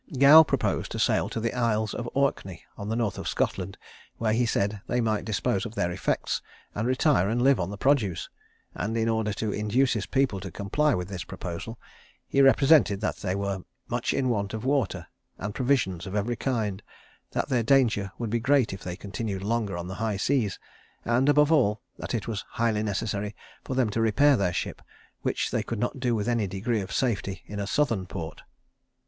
Gow proposed to sail to the Isles of Orkney, on the north of Scotland, where he said, they might dispose of their effects, and retire and live on the produce; and in order to induce his people to comply with this proposal, he represented that they were much in want of water, and provisions of every kind; that their danger would be great if they continued longer on the high seas; and, above all, that it was highly necessary for them to repair their ship, which they could not do with any degree of safety in a southern port.